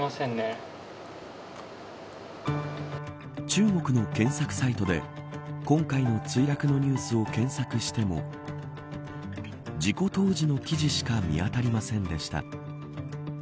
中国の検索サイトで今回の墜落のニュースを検索しても事故当時の記事しか見当たりませんでした。